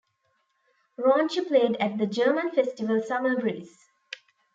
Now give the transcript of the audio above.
Raunchy played at the German festival Summerbreeze.